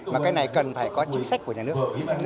mà cái này cần phải có chính sách của nhà nước